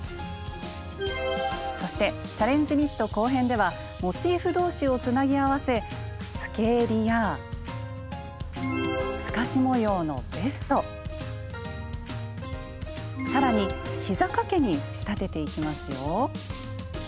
そして「チャレンジニット」後編ではモチーフ同士をつなぎ合わせつけえりや透かし模様のベスト更にひざかけに仕立てていきますよ！